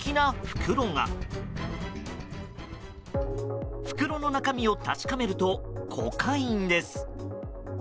袋の中身を確かめるとコカインです。